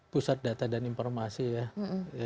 pusat data dan informasi ya